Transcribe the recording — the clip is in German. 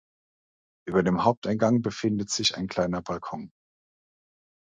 Über dem Haupteingang befindet sich ein kleiner Balkon.